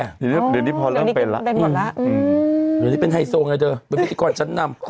เดือดี่นี่พอเริ่มเป็นแล้วเป็นหมดแล้วอืมเป็นไฮโซใงเธอชั้นน้ำ